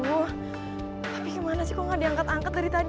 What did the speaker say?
wah tapi gimana sih kok gak diangkat angkat dari tadi